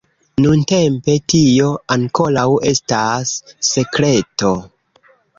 Nuntempe, tio ankoraŭ estas sekreto!